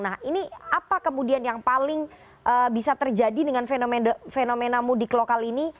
nah ini apa kemudian yang paling bisa terjadi dengan fenomena mudik lokal ini